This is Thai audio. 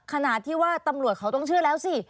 ขนาดที่ว่าตำรวจเขาต้องเชื่อแล้วสิ